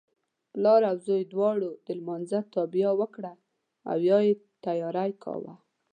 پلار او زوی دواړو د لمانځه تابیا وکړه او یې تیاری کاوه.